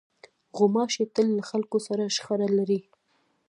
غوماشې تل له خلکو سره شخړه لري.